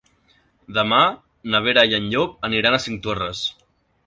Demà na Vera i en Llop aniran a Cinctorres.